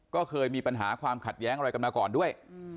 ก็เคยมีปัญหาความขัดแย้งอะไรกันมาก่อนด้วย